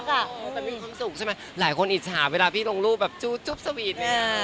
แต่มีความสุขใช่ไหมหลายคนอิจฉาเวลาพี่ลงรูปแบบจูจุ๊บสวีทเนี่ย